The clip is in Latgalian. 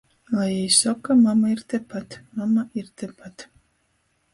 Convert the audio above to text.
Lai jī soka – mama ir tepat, mama ir tepat!